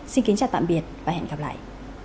xin kính chào tạm biệt và hẹn gặp lại